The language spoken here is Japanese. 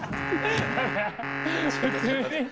普通に。